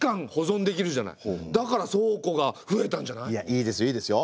いいですよいいですよ。